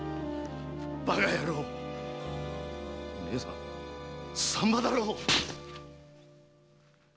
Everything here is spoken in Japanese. バカやろう姉さんは産婆だろう！